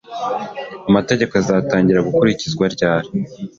Amategeko azatangira gukurikizwa ryari